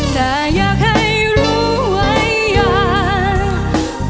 แต่อยากให้รู้ไว้อยาก